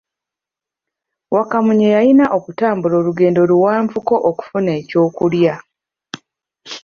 Wakamunye yalina okutambula olugendo luwanvuko okufuna eky'okulya.